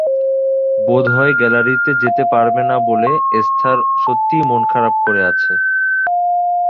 বোধহয় গ্যালারিতে যেতে পারবে না বলে এস্থার সত্যিই মন খারাপ করে আছে।